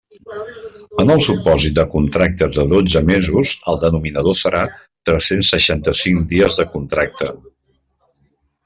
En el supòsit de contractes de dotze mesos, el denominador serà tres-cents seixanta-cinc dies de contracte.